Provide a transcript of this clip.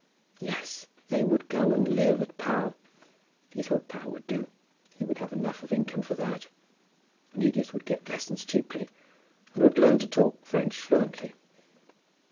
Yes; they would go and live at Pau. He thought Pau would do. He would have enough of income for that; and Edith would get lessons cheaply, and would learn to talk French fluently.